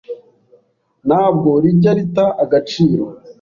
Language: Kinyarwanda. ntabwo rijya rita agaciro,